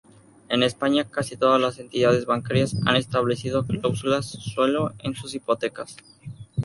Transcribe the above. En España casi todas las entidades bancarias han establecido cláusulas suelo en sus hipotecas.